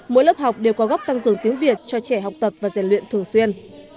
mỗi lớp học đều có góc tăng cường tiếng việt cho trẻ học tập và giàn luyện thường xuyên